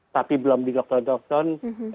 tapi belum di lockdown